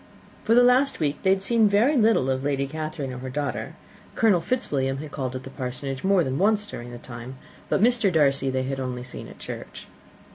For the last week they had seen very little of either Lady Catherine or her daughter. Colonel Fitzwilliam had called at the Parsonage more than once during the time, but Mr. Darcy they had only seen at church.